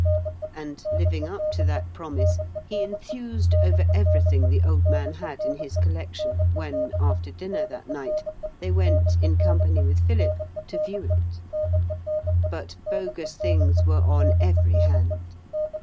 And, living up to that promise, he enthused over everything the old man had in his collection when, after dinner that night, they went, in company with Philip, to view it. But bogus things were on every hand.